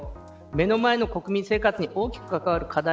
目の前の国民生活に大きく関わる課題